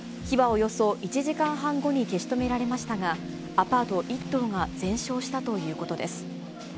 火はおよそ１時間半後に消し止められましたが、アパート１棟が全焼したということです。